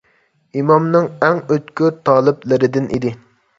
ئىمامنىڭ ئەڭ ئۆتكۈر تالىپلىرىدىن ئىدى.